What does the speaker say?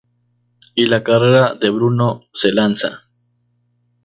Y la carrera de Bruno se lanza!